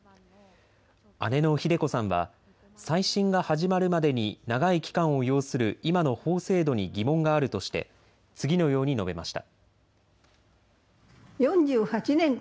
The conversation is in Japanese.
姉のひで子さんは再審が始まるまでに長い期間を要する今の法制度に疑問があるとして次のように述べました。